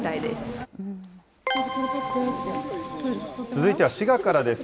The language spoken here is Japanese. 続いては滋賀からです。